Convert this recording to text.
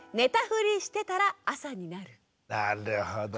なるほどね。